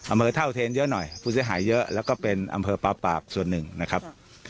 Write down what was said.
อำเภอเท่าเทนเยอะหน่อยผู้เสียหายเยอะแล้วก็เป็นอำเภอปลาปากส่วนหนึ่งนะครับ